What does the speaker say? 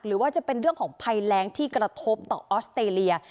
หรือว่าจะเป็นเรื่องของภัยแรงที่กระทบต่อออสเตรเลีย